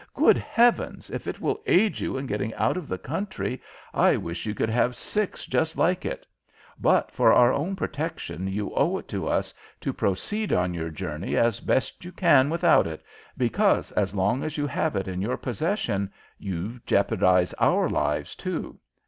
Good Heavens! if it will aid you in getting out of the country, I wish you could have six just like it. But for our own protection you owe it to us to proceed on your journey as best you can without it, because as long as you have it in your possession you jeopardize our lives, too.